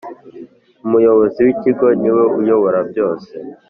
Umuyobozi w Ikigo ni we uyobora byose